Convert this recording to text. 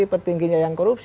petingginya yang korupsi